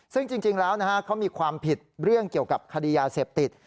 ซึ่งจริงแล้วเขามีความผิดเรื่องเกี่ยวกับคดียาเสพติด